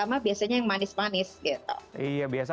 manis manis gitu iya biasa